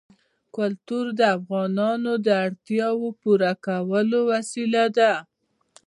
کلتور د افغانانو د اړتیاوو د پوره کولو وسیله ده.